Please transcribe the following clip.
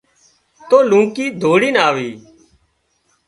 تو لونڪِي ڌوڙينَ آوي